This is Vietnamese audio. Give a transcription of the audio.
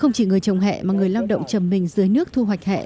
không chỉ người trồng hẹ mà người lao động trầm mình dưới nước thu hoạch hẹ